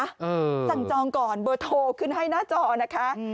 สั่งจองก่อนเบอร์โทรขึ้นให้หน้าจอนะคะ